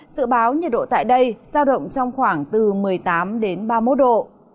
sự báo nhiệt độ tại đây giao động trong khoảng từ một mươi tám đến ba mươi một độ